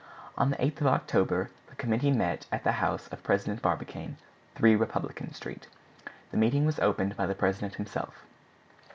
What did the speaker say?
On the 8th of October the committee met at the house of President Barbicane, 3 Republican Street. The meeting was opened by the president himself.